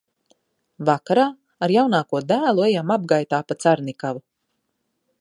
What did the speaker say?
Vakarā ar jaunāko dēlu ejam apgaitā pa Carnikavu.